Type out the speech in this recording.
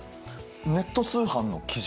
ネット通販の基準？